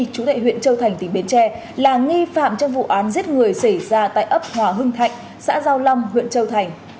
chú tệ huyện châu thành tỉnh bến tre là nghi phạm trong vụ án giết người xảy ra tại ấp hòa hưng thạnh xã giao long huyện châu thành